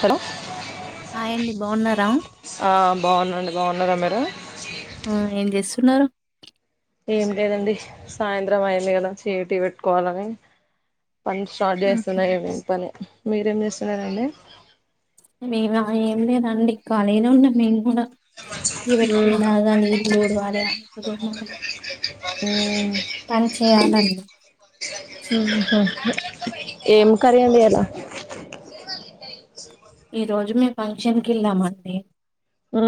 Hello హాయండి బాగున్నారా బాగున్నాండి బాగున్నారా మీరు ఆ ఏం చేస్తున్నారు ఏం లేదండి సాయంత్రం అయింది కదా టి పెట్టుకోవాలని పని స్టార్ట్ చేస్తున్నాయివ పని మీరేం చేస్తున్నారండి మేము ఏం లేదండి కలిగా ఉన్నా మేము కూడా ఫ బట్కుందగా న దడవాలే మ మ్ పని చేయాలండి ఏం కరయండి ఎలా ఈ రోజు మే ఫంక్షన్ కి వెళ్ళామండి ఉ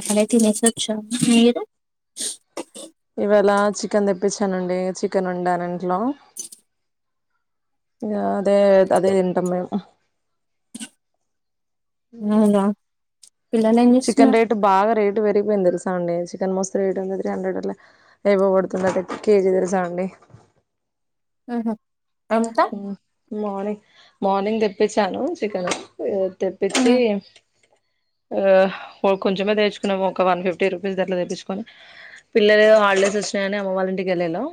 అక్కడే తినేసి వచ్చామ్ మీరు ఇవళ చికెన్ తెప్పించానండి చికెన్ వండను ఇంట్లో అదే అదే తింటాము మేం అవునా పిల్లలు ఏం చికెన్ చేస్తున్నారు రేట్ బాగా రేట్ పెరిగిపోయింది తెలుసాండి చికెన్ మోస్త ఎట్ంది త్రీ హండ్రెడ్ అయివ్వబడుతుంది కేజీ తెలుసా అండి ఆహా ఎంత మార్నింగ్ మార్నింగ్ తెప్పించాను చికెన్ తెపిన్చి వారు కొంచమే తెచ్చుకున్నాము ఒక వన్ ఫిఫ్టీ రూపీస్ దట్లా తెచ్చుకొని పిల్లలు హాలిడేస్ వచ్చినాయని అమ్మ వాళ్ళంటికి వెళ్లారు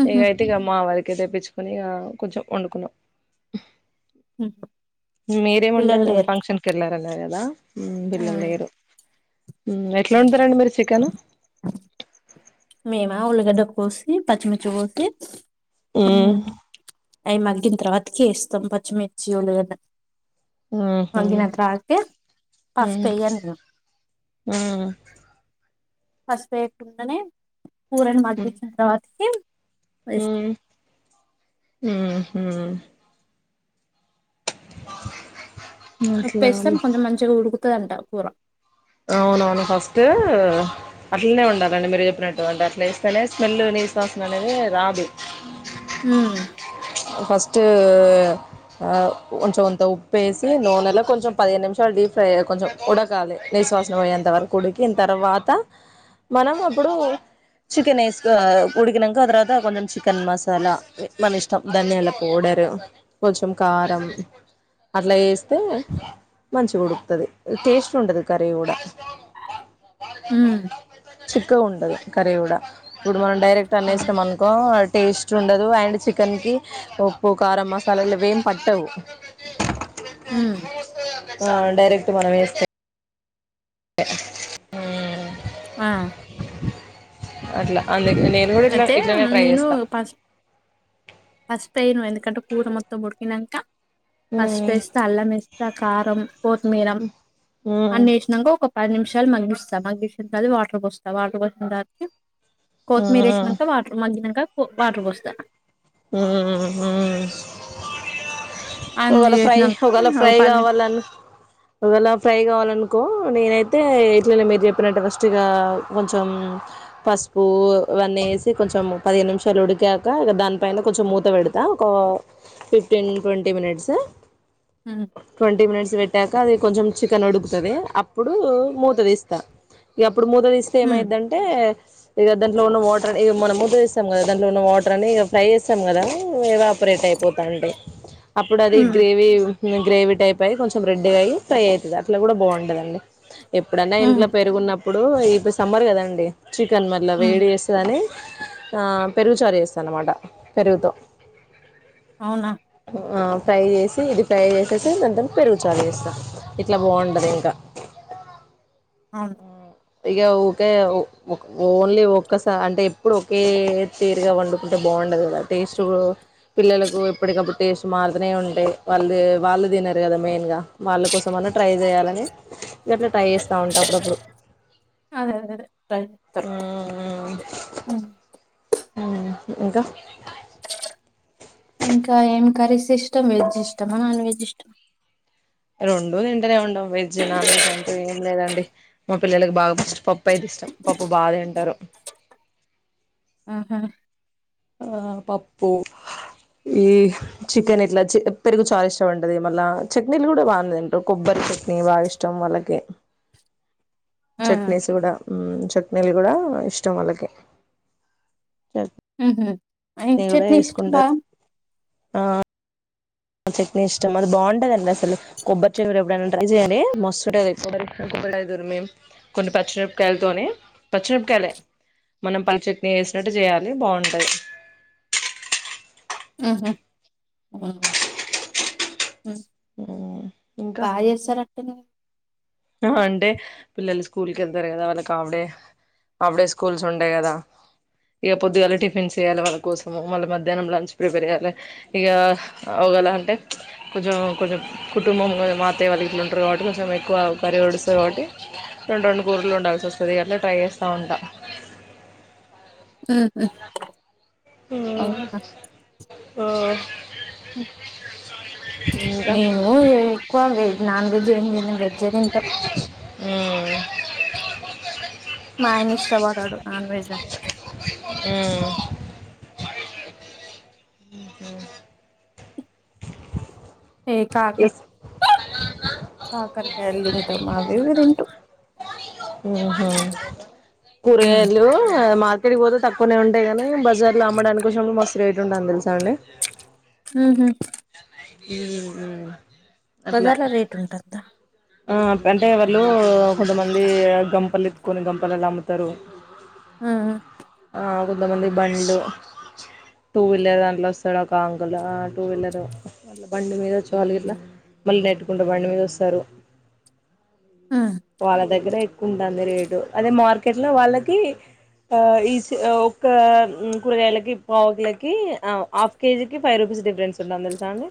ఉహు ఎకాయితేకమ్మా వ తెప్పించుకని కొంచెం వండుకున్నాం మ మీరే పిల్లలు ముండార లేరు ఫంక్షన్ కలార అగదా బిల్ల మ్మ్. లేయరు ఎట్లా ఉంటారండి మీరు చికెన్ మేమా ఉల్లిగడ్డ కోసి పచ్చిమిర్చి కోసి ఆ మ్మ్, అవి మగిన తర్వాత ఇస్తాం పచ్చిమిర్చియో లేదా పసుపు వేయను నేను ఆ పశుపెయ్యాకుండానే కూరను మగ్గించంత వరకిం ఉమ్ ఉమ్ ఉమ్ ఉప్పెస్తే అట్లా కొంచెం మంచిగా ఉడుకు తుందంట కూర అవునవును. ఫస్ట్ అట్లనే ఉండాధండి. మీరు చెప్పినట్టు అంటే అట్లా చేస్తేనే స్మెల్ నీస్ వాసన అనేది రాదు. హు ఫస్ట్ ఆ కొంచెం కొంత ఉప్పుేసి నూనెలో కొంచెం పదిహేను నిమిషాలు డీప్ ఫ్రై కొంచెం ఉడకాలి. నీస్ వాసన పోయేంతవరకు ఉడికిన తర్వాత మనం ఆప్పుడు చికెన్ ఏసు కో ఉడికినంక ఆ తర్వాత కొంచెం చికెన్ మసాలా, మన ఇష్టం ధనియాల పౌడరు, కొంచెం కారం అట్లా ఏస్తే మంచిగా ఉడుకుతది టేస్ట్ ఉంటాది. కర్రి గుడ హు చిక్కగ ఉంటది కర్రీ కూడా ఇప్పుడు మనం డైరెక్ట్ అవును అన్నేస్తం అనుకో టేస్ట్ ఉండదు. అండ్ చికెన్ కి ఉప్పు, కారం, మసాలాలు ఆవేం పట్టవు. ఉమ్ ఆ డైరెక్ట్ మనం ఎస్తే ఆ అట్లా అన్ నేను కూడా ఇట్ల అయితే ఇట్లనే ట్రై నేను చేస్తా పోయినాను ఎందుకంటే కూర మొత్తం ఉడికినంక ఉమ్ పసుపెస్త, అల్లంఎస్త, కారం, కొత్తిమీరం ఉమ్ అన్ని వేసినాక ఒక పది నిమిషాలు మగ్గిస్తా మగ్గించిన తర్వాత వాటర్ పోస్తా వాటర్ పోసిన తర్వాత కొత్తిమీర ఉమ్ వేసినంక వాటర్ మగ్గినాక పో వాటర్ పోస్త ఉమ్ ఉమ్ అన్ని ఒకెళ ఫ్రై చేసినంక ఒకెళ ఒక ఫ్రై పది నిమి కావాలని ఒకవేళ ఫ్రై కావాలనుకో నేనైతే ఇట్లనే మీరు చెప్పినట్టే ఫస్ట్ ఇక కొంచెం పసుపు ఇవన్నీ వేసి కొంచెం పదిహేను నిమిషాలు ఉడికాక ఇక దాన్ని పైన కొంచెం మూత పెడతా ఒక fifteen twenty minutes um twenty minutes పెట్టాక ఇంకా అది కొంచెం చికెన్ ఉడుకుతది. అప్పుడు మూత తీస్తా ఇగా ఇప్పుడు మూత తీస్తే ఉమ్ ఏమయ్యితది అంటే ఇగ దాంట్లో ఉన్న వాటర్ మనం మూత తీస్తాం కదా దాంట్లో ఉన్న వాటర్ అన్ని ఫ్రై చేస్తాం కదా ఎవాపరేట్ అయిపోతాంటాయి అప్పుడు అది ఉమ్ గ్రేవీ గ్రేవీ టైప్ అయ్యి కొంచెం రెడ్డూ గా అయ్యి ఫ్రై అయితది. అట్లా కూడా బాగుంటదండి. ఎప్పుడన్నా ఉమ్ ఇంట్లో పెరుగున్నప్పు ఇప్పుడు ఇప్పుడు సమ్మర్ కదండి చికెన్ మళ్ల ఉమ్ వేడి చేస్తదని ఆ పెరుగు చారు చేస్తా అన్నమాట పెరుగుతో అవునా ఆ ఫ్రై జెసి ఇది ఫ్రై చేసేసి దాంతో పెరుగు చారు చేస్తా ఇట్ల బాగుంటది ఇంకా అవునా ఇగ ఊకే ఓ ఓ ఓన్లీ ఒక్కస అంటే ఎప్పుడు ఒకే తీరుగా వండుకుంటే బాగుండదు కదా టేస్ట్ పిల్లలకు ఎప్పటికప్పుడు టేస్ట్ మారుతూనే ఉంటయి వాళ్ళు వాళ్ళు తినరు కదా మెయిన్గా వాళ్ళ కోసం అన్న ట్రై చేయాలని ఇగా అట్లా ట్రై చేస్తా ఉంట అప్పుడప్పుడు. అదే అదే ఇంకా ఇంకా ఏం కర్రీస్ ఇష్టం వెజ్ ఇష్టమా నాన్ వెజ్ ఇష్టం రొండు తింటనే ఉంటం వెజ్ నాన్ వెజ్ అంటు ఏం లేదండి మా పిల్లలకి బాగా ఫస్ట్ పప్పు అయితే ఇష్టం పప్పు బాగా తింటరు. ఆహా ఆ పప్పు ఈ చికెన్ ఇట్ల పెరుగు చాలా ఇష్టం ఉంటది మళ్ళా చట్నీలు గుడా బానేదింటారు కొబ్బరి చట్నీ బాగిష్టం వాళ్ళకి ఆ చట్నీస్ గుడా చట్నీలు గుడా ఇష్టం వాళ్ళకి చట్నీ మ్ హ్ ఏం కూడా చట్నీ ఇష్టం వేసుకుంటారు బాగా ఆ ప చట్నీ ఇష్టం అది బాగుంటదండి అసలు కొబ్బరి చట్ని మీర్ ఎప్పుడైనా ట్రై చేయండి. మస్తుంటది కొన్ని పచ్చిమిరపకాయలతోని పచ్చిమిరపకాయలే మనం పల్లి చట్నీ వేసినట్టు చేయాలి బాగుంటది. హ్ మ్ ఓ ఆ బాచేస్తరంటగా ఆ అంటే పిల్లలు స్కూల్కి ఎళ్తారు కదా వాళ్ళకి హాఫ్డే హాఫ్డే స్కూల్స్ ఉండే కదా ఇగ పొద్దుగాల టిఫిన్స్ చేయాలే వాళ్ళ కోసము మళ్ళీ మధ్యాహ్నం లంచ్ ప్రిపేర్ చేయాలె ఇగా ఒగల అంటే కొంచం కొంచం కుటుంబం మా అత్తయ్య వాళ్ళు గిట్లా ఉంటారు కాబట్టి కొంచం ఎక్కువ పరి ఒడుస్తది కాబట్టి రెండు రెండు కూరలు వండాల్సి వస్తది అట్ల ట్రై చేస్త ఉంటా ఉమ్ అవునా ఓ... మేము ఏ ఎక్కువ వె నాన్ వెజ్ ఏం తినం వెజె తింటం మా ఆయన ఇష్టపడడు నాన్ వెజ్ అంటే ఇంకా ఏ కాకర్ ఎస్ ఆ కాకరకాయలు తింటం అవి ఇవి తింటం హ్ హ ఉమ్. కూరగాయలు మా అ ఇక్కడికి పోతే తక్వనే ఉంటాయి గనీ బజార్లో అమ్మడానికొచ్చినప్పుడు మస్త్ రేటుంటయని తెల్స్ హ్ మ్ ఏ బజార్ల రేట్ ఉంటదా ఆ అంటే వాళ్ళు కొంతమంది గంపలు ఎత్తుకొని గంపలలా అమ్ముతరు ఆ ఆ కొంతమంది బండ్లు టూ వీలర్ దాంట్లో వస్తడు ఒక అంకల్ ఆ టూ వీలర్ బండి మీద వచ్చి వాలీల మళ్ళీ నెట్టుకుంట బండి మీద వస్తారు ఉ వాళ్ళ దగ్గర ఎ ఉంటాంది రేటు అదే మార్కెట్లో వాళ్ళకి ఆ ఈ ఒక్క కూరగాయలకి పావ్ కిలకి ఆ హాఫ్ కేజికి ఫైవ్ రూపీస్ డిఫరెన్స్ ఉంటాంది తెలుసా అండి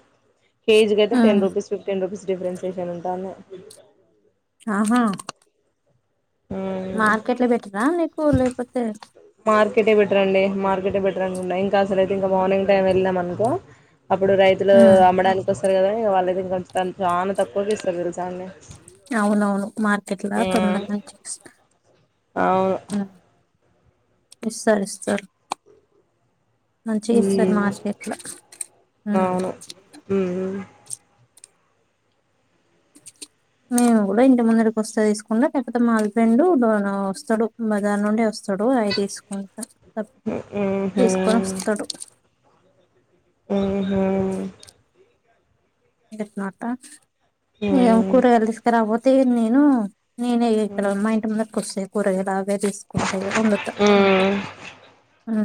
ఏజ్ కైతే ఉ ten rupees fifteen rupees differentiation ఉంటది [inaudible] ఆహా మ్మ్ మార్కెట్ లో పెట్టరా నీకు లేకపోతే మార్కెటే బెటరండి మార్కెటే బెటరండి నైట్ ఇంకా అసలు అయితే ఇంకా మార్నింగ్ టైం అనుకో అప్పుడు రైతులు ఉ అమ్మడానికి వస్తారు కదా కావాలలేదు ఇంకొంచం త చాలా తక్కువ కి ఇస్తారు తెలుసాన్ని అవునవును మార్కెట్ల మ్మ్ తొందరగా అవును ఇస్తర ఇస్తర్ మంచిగ ఇస్తారు మ్మ్ మార్కెట్ల అవును మ్మ్ మేము కూడా ఇంటి ముందడికి వస్తా తీసుకుండా లేకపోతే మాలపండు వస్తాడు బజార్ నుండి వస్తాడు వస్తాడు అవి తీసుకు ఊహూ తీసుకొని వస్తాడు ఆహా ఎట్టనంటా ఏ మ్మ్ కూర వెళ్లి తీసుకురాపో నేను నేనే ఇక్కడ మ్మ్ మా ఇంటి ముందర కి వస్తె కూరగాయల తీసుకుంట ఇక వండుతా ఆ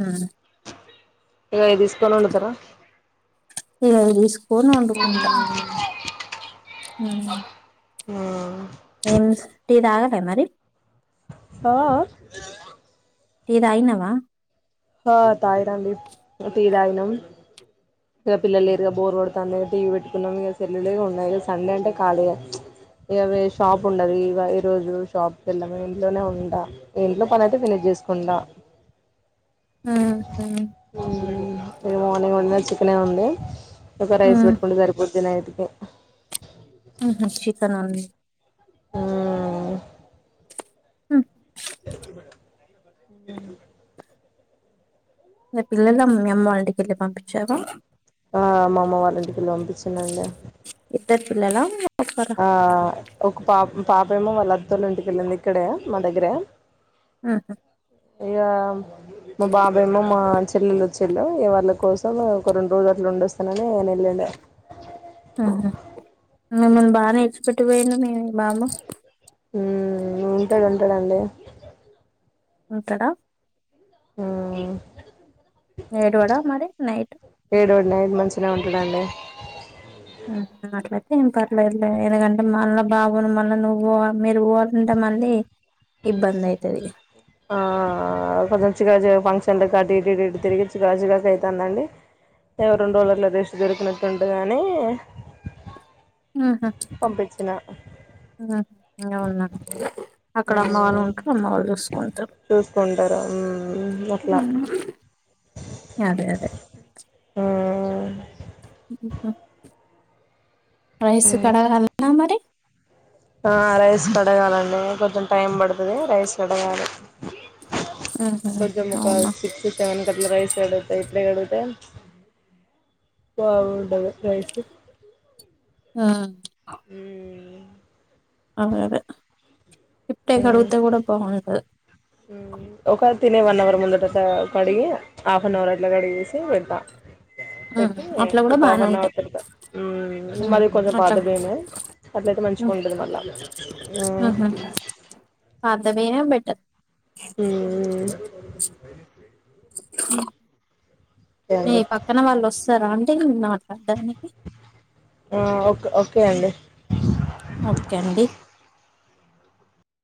ఇక తీసుకొని వండుతారా అ [unintelligible] పోను వండుకుంట ఆ ఎమ్స్ టీ తాగలే మరి ఆ టీ తాగినవా ఆ తాగనండి టీ తాగినం ఇక పిల్లలేక బోర్ పడుతుంది టీవీ పెట్టుకున్నాం ఇక సెల్లులే ఉన్నాయి ఇక సండే అంటే ఖాళీ ఇక షాప్ ఉండదు ఇక ఈ రోజు షాప్ వెళ్ళాము ఇంట్లోనే ఉంటా ఇంట్లో పని అయితే ఫినిష్ చేసుకుంటా ఉమ్. [unintelligible] చికనే ఉంది ఒక రైస్ ఉమ్. పెట్టుకుంటే సరిపోతుంది ఇక నైట్ కె ఉహు చికెన్ ఉంది ఆ హ [inaudible] పిల్లలు అమ్మ అమ్మ వాళ్ంటికి వెళ్ళి పంపించారు ఆ మా అమ్మ వాళ్ళంటికిిళ్ళి పంపించనుండి ఉత్తర్ పిల్లలా ఒక్కరా ఆ ఒక పాప పాప మో వాళ్ళ అతోల్ ఇంటిక వెళ్ళంది ఇక్కడ మా దగ్గర ఉహు అకా మా బాబాయమ్మో మా చెల్లెలు వచ్చేళ్ళు, ఇ వాళ్ళ కోసం ఒక రెండు రోజు అట్లు ఉండొస్తానని ఆయన ఎల్లిండు ఉహు మిమ్మల్ని బాగా నేచిపెట్టిపోయిను మే బామ్మ ఉంటాది ఉంటాడండి ఉంటాడ ఆ ఏడవడా మరి నైట్ ఏడవండిమంచిన ఉంటాడండి మ్ అట్లా ఏ పర్లేదులేదు ఎందుకంటే మళ్ళా బాబు మళ్ళ నువ్వు పో మీరు పోవాలంటే మళ్ళీ ఇబ్బంది అయితది ఆ కొ చికజ ఫంక్షన్ చెల కాటి ఇటు ఇటు ఇటు తిరిగి చిక చిరాకు అవుతుందండి రెండు రోజలు అట్లా రెస్ట్ దొరికినట్టు ఉంటగానీ ఆహా ఇ ఉన్నాం అక్కడ అమ్మ వాళ్ళు మ్మ్ ఉంటారు అమ్మ వాళ్ళు చూసుకుంటారు చూసుకుంటారు మ్మ్ అట్లా అదే అదే మ్ ఉహు. రైస్ మ్మ్ కడదనా మరి ఆ రైస్ కడగాలండి కొంచెం టైం పడుతుది రైస్ కడగాలి ఉహు కొంచెం ఒక అవునా సిక్స్ సెవెన్ కట్లా రైస్ చెడతే ఇట్లే కడుతే బావుంటది రైస్ ఆ ఉ అ అదే హప్టై మ్మ్ కడుగుత కూూడ పోగుండ మ్మ్. ఒక తినే వన్ అవర్ ముందట కడిగి హాఫ్ అన్ అవర్ అట్లా కడిగేసి వెళ్తాం ఉమ్ పెట్టి అట్లా కూడా ఒక హాఫ్ బానే అన్ ఉంటాయి అవర్ తర్త ఉమ్ మాది కొంచెం అట్లా పాద భయమే అట్లయితే మంచిగా ఉమ్ ఉంటుంది మళ్ళా అదవేనా బ పెట్టటదు హ హ మీ అండి పక్కన వాళ్ళు వస్తారాండి అంటే మాట్లాడడానికి ఓకే ఓకే అండి ఓకే అండి